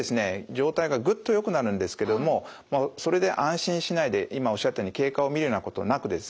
状態がぐっとよくなるんですけどもそれで安心しないで今おっしゃったように経過を見るようなことなくですね